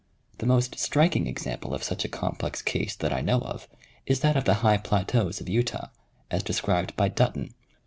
The most striking example of such a complex case that I know of is that of the high plateaus of Utah, as described by Dutton.